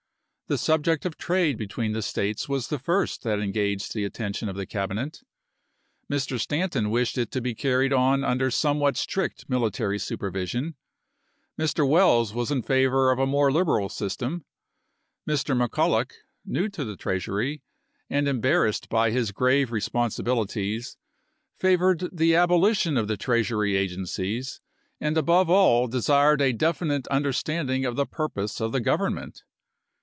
The subject of trade between the States was the first that engaged the attention of the Cabinet. Mr. Stanton wished it to be carried on under some what strict military supervision ; Mr. Welles was in favor of a more liberal system ; Mr. McCulloch, new to the Treasury, and embarrassed by his grave responsibilities, favored the abolition of the Treas ury agencies, and above all desired a definite under standing of the purpose of the Government.